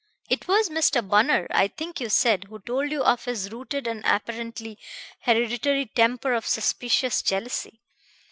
It was Mr. Bunner, I think you said, who told you of his rooted and apparently hereditary temper of suspicious jealousy.